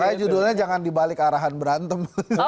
karena judulnya jangan dibalik arahan berantem